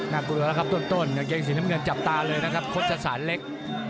น่ากลัวแล้วนะครับต้นต้นกางเกงสีเหล้ำเงินจับตาเลยนะครับคนสรรค์เล็ก